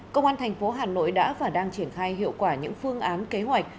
công an thành phố hà nội đã và đang triển khai hiệu quả những phương án kế hoạch